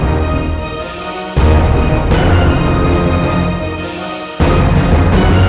butuh anda tidak bisa kuvip saya